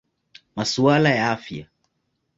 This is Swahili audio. Masuala ya Afya.